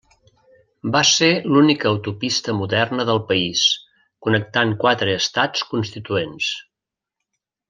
Va ser l'única autopista moderna del país, connectant quatre estats constituents.